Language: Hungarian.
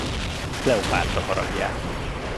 Kleopátra haragját.